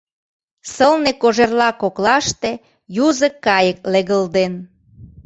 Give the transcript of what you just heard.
Сылне кожерла коклаште Юзо кайык легылден.